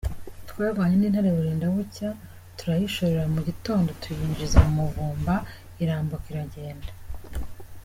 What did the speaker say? “Twarwanye n’intare burinda bucya turayishorera mu gitondo tuyinjiza mu Muvumba irambuka iragenda.”